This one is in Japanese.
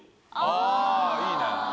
あいいね。